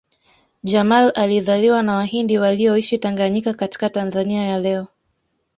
Jamal alizaliwa na Wahindi walioishi Tanganyika katika Tanzania ya leo